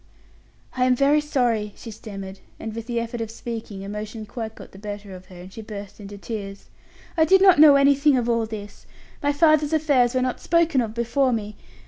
"I am very sorry," she stammered; and with the effort of speaking, emotion quite got the better of her, and she burst into tears. "I did not know anything of all this; my father's affairs were not spoken of before me.